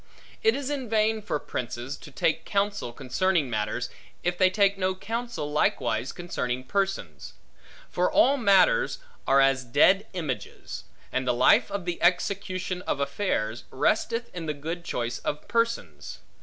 It is in vain for princes, to take counsel concerning matters, if they take no counsel likewise concerning persons; for all matters are as dead images; and the life of the execution of affairs, resteth in the good choice of persons.